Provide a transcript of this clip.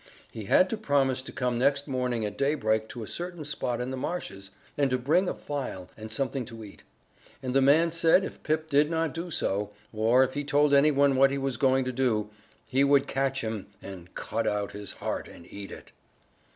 He had to promise to come next morning at daybreak to a certain spot in the marshes and to bring a file and something to eat. And the man said if Pip did not do so, or if he told any one what he was going to do, he would catch him again and cut out his heart and eat it.